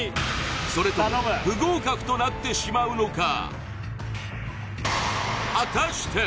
それとも不合格となってしまうのか？